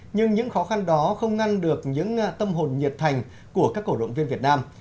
nhưng những khó khăn đó không ngăn được những tâm hồn nhiệt thành của các cổ động viên việt nam